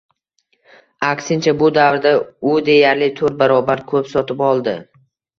Aksincha, bu davrda u deyarli to'rt barobar ko'p sotib oldi